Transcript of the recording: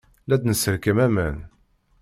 La d-nesserkam aman.